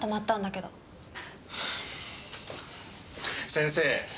先生